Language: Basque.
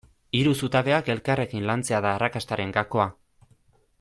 Hiru zutabeak elkarrekin lantzea da arrakastaren gakoa.